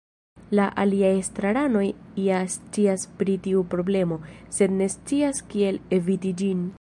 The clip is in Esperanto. La aliaj estraranoj ja scias pri tiu problemo, sed ne scias kiel eviti ĝin.